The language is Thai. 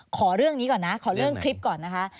ขอเรื่องนี้ก่อนนะขอเรื่องคลิปก่อนนะคะ